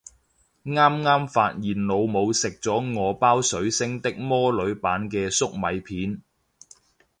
啱啱發現老母食咗我包水星的魔女版嘅粟米片